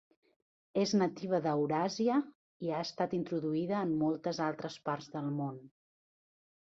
És nativa d’Euràsia i ha estat introduïda en moltes altres parts del món.